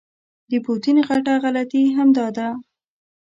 د پوټین غټه غلطي همدا ده.